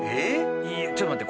ちょっと待って。